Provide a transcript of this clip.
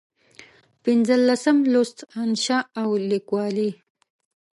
پنځلسم لوست: انشأ او لیکوالي